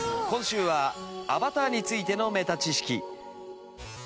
今週はアバターについてのメタ知識。